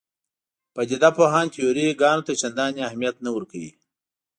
پدیده پوهان تیوري ګانو ته چندانې اهمیت نه ورکوي.